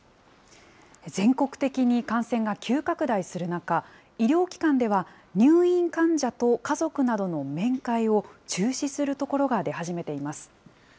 全国的に感染が急拡大する中、医療機関では、入院患者と家族などの面会を中止する所が出始めています。